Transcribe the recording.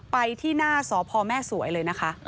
ไปที่หน้าสพแม่สวยเลยนะคะ